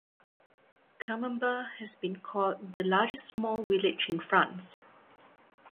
Camembert has been called The largest small village in France.